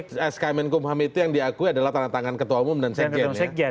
karena dalam sk menkumham itu yang diakui adalah tangan tangan ketua umum dan sekja